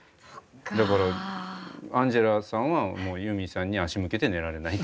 だからアンジェラさんはユーミンさんに足向けて寝られない。